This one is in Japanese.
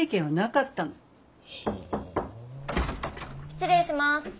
失礼します。